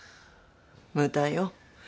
無駄よ。